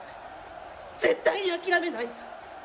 絶対に諦めない。